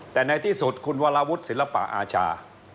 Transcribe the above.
แต่ในที่สุดคุณวรวุฒิศิลปะอาชา